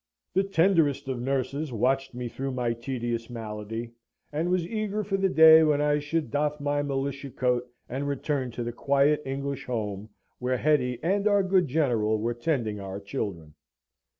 The tenderest of nurses watched me through my tedious malady, and was eager for the day when I should doff my militia coat and return to the quiet English home where Hetty and our good General were tending our children.